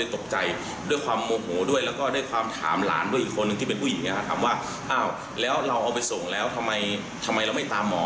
ถามว่าอ้าวแล้วเราเอาไปส่งแล้วทำไมเราไม่ตามหมอ